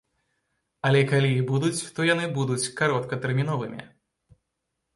Але калі і будуць, то яны будуць кароткатэрміновымі.